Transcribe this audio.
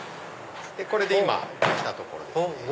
これで今できたところですね。